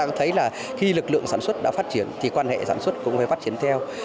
chúng ta thấy là khi lực lượng sản xuất đã phát triển thì quan hệ sản xuất cũng phải phát triển theo